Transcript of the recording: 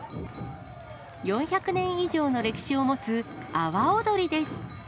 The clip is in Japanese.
４００年以上の歴史を持つ阿波おどりです。